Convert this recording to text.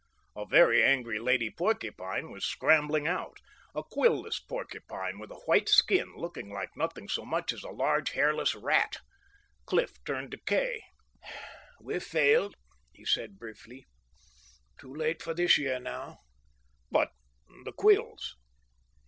A very angry lady porcupine was scrambling out, a quillless porcupine, with a white skin, looking like nothing so much as a large, hairless rat. Cliff turned to Kay. "We've failed," he said briefly. "Too late for this year now." "But the quills?"